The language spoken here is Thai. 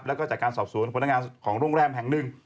แล้วก็จากการสอบสวนพนักงานของโรงแรมแห่งหนึ่ง